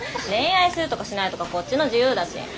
恋愛するとかしないとかこっちの自由だし。